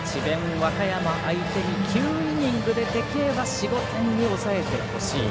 和歌山相手に９イニングでできれば４５点に抑えてほしい。